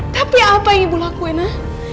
tapi apa yang ibu lakuin ah